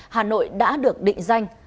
hà nội đã được định danh